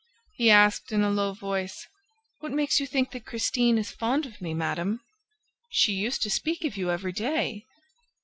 He asked in a low voice: "What makes you think that Christine is fond of me, madame?" "She used to speak of you every day."